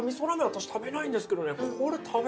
私食べないんですけどね。